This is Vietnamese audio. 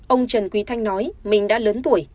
ông trần quý thanh nói mình đã lớn tuổi